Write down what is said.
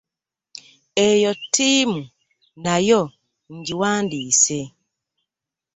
Eyo ttiimu nayo njiwandiise.